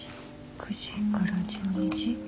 ９時から１２時。